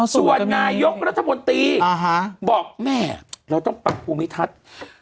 ส่วนนายกรัฐมนตรีบอกแม่เราต้องปรับภูมิทัศน์